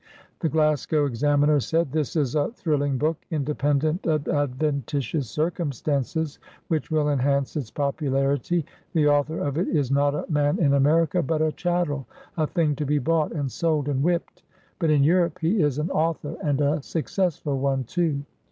"' The Glasgow Examiner said: —' 'This is a thril ling book ; independent of adventitious circumstances, which will enhance its popularity. The author of it is not a man in America, but a chattel. — a thing to be bought, and sold, and whipped : but in Europe, he is an author, and a successful one. too.